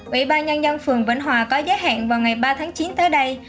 ủy ban nhân dân phường vĩnh hòa có giấy hẹn vào ngày ba tháng chín tới đây